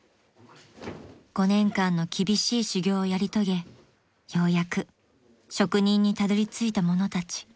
［５年間の厳しい修業をやり遂げようやく職人にたどりついた者たち］